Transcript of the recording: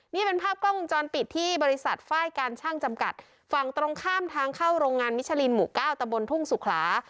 นี่เป็นภาพกล้องวงจรปิดที่บริษัทไฟล์การช่างจำกัดฝั่งตรงข้ามทางเข้าโรงงานมิชลินหมู่เก้าตะบนทุ่งสุขลา